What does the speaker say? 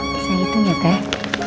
boleh hitung ya teh